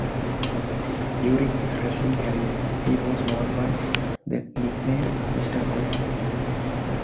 During his wrestling career, he was known by the nickname "Mr. America".